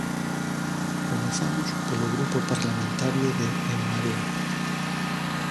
Comezamos polo Grupo Parlamentario de En Marea.